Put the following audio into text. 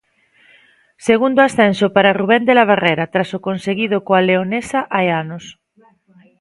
Segundo ascenso para Rubén de la Barrera tras o conseguido coa Leonesa hai anos.